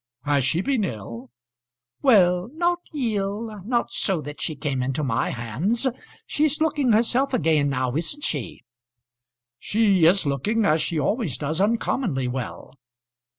"Has she been ill?" "Well, not ill; not so that she came into my hands. She's looking herself again now, isn't she?" "She is looking, as she always does, uncommonly well."